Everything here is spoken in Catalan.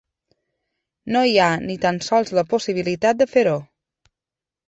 No hi ha ni tan sols la possibilitat de fer-ho.